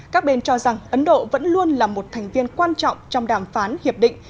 các bên cho rằng ấn độ vẫn luôn là một thành viên quan trọng trong đàm phán hiệp định